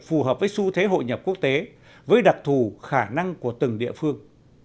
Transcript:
phù hợp với xu thế hội nhập quốc tế với đặc thù khả năng của từng địa phương